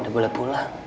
udah boleh pulang